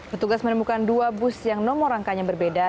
petugas menemukan dua bus yang nomor rangkanya berbeda